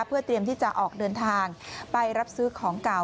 เพื่อเตรียมที่จะออกเดินทางไปรับซื้อของเก่า